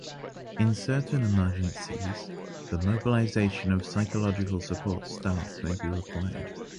In certain emergencies, the mobilization of psychological support staff may be required.